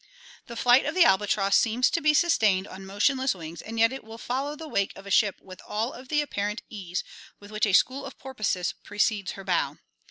The flight of the albatross seems to be sustained on motionless wings and yet it will follow the wake of a ship with all of the appar ent ease with which a school of porpoises precedes her bow.